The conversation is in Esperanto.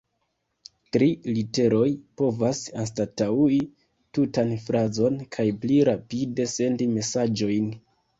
Tri literoj povas anstataŭi tutan frazon kaj pli rapide sendi mesaĝojn.